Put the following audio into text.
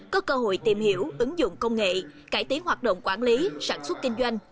có cơ hội tìm hiểu ứng dụng công nghệ cải tiến hoạt động quản lý sản xuất kinh doanh